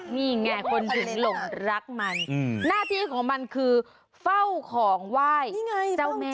นี่ไงคนถึงหลงรักมันหน้าที่ของมันคือเฝ้าของไหว้เจ้าแม่